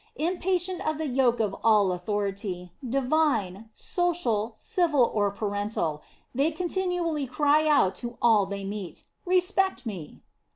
Impatient of the yoke of all authority, divine, social, civil, or parental, they con tinually cry out to all they meet: "Respect me!"